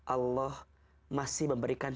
allah masih memberikan